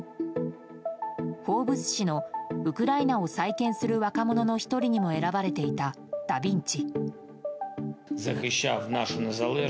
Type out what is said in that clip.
「フォーブス」誌のウクライナを再建する若者の１人にも選ばれていたダ・ヴィンチ。